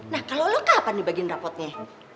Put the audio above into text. nah kalau lu kapan dibagiin reputnya